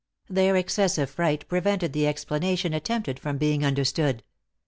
Their excessive fright prevented the explanation attempted from being understood.